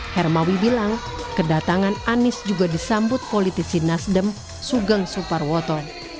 hermawi bilang kedatangan anies juga disambut politisi nasdem sugeng suparwoto